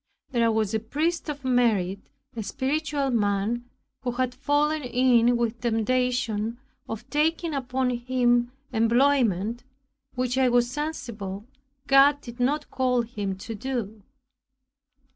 There was a priest of merit, a spiritual man, who had fallen in with temptation of taking upon him employment which I was sensible God did not call him to do.